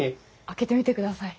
開けてみてください。